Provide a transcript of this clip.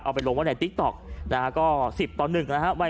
ไปลงไว้ในติ๊กต๊อกนะฮะก็๑๐ต่อ๑นะฮะ